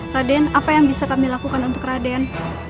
raden apa yang bisa kami lakukan untuk raden